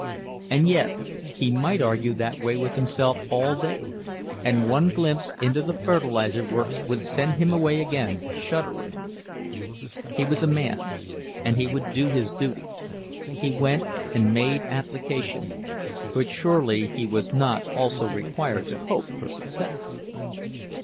—And yet he might argue that way with himself all day, and one glimpse into the fertilizer works would send him away again shuddering. He was a man, and he would do his duty; he went and made application—but surely he was not also required to hope for success!